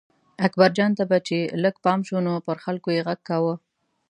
اکبرجان ته به چې لږ پام شو نو پر خلکو یې غږ کاوه.